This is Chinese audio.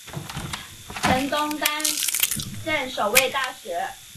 陈东担任首位大使。